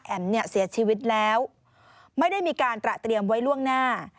เนี่ยเสียชีวิตแล้วไม่ได้มีการตระเตรียมไว้ล่วงหน้า